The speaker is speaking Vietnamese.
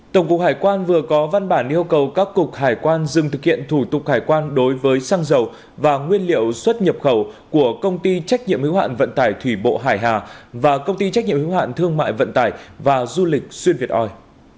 tổng cục hải quan vừa có văn bản yêu cầu các cục hải quan dừng thực hiện thủ tục hải quan đối với xăng dầu và nguyên liệu xuất nhập khẩu của công ty trách nhiệm hữu hạn vận tải thủy bộ hải hà và công ty trách nhiệm hiếu hạn thương mại vận tải và du lịch xuyên việt oi